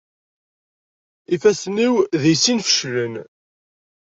Ifassen-iw di sin feclen.